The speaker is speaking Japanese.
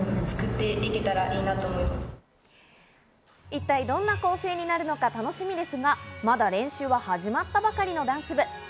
一体どんな構成になるのか楽しみですが、まだ練習は始まったばかりのダンス部。